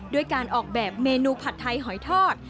ด้วยการออกแบบเมนูผัดไทยหอยทอด